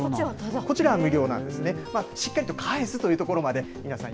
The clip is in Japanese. こちらは無料なんですね、しっかりと返すというところまで皆さん